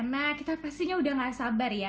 nah kita pastinya udah gak sabar ya